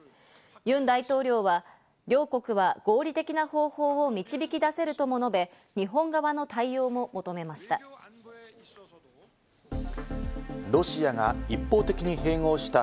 ユン大統領は両国は合理的な方法を導き出せるとも述べ、日本側の対応も求めました。